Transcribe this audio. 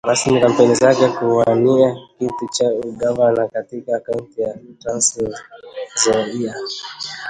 rasmi kampeni zake za kuwania kiti cha Ugavana katika Kaunti ya Trans Nzoia